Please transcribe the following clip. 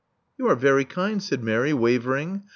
"You are very kind," said Mary, wavering.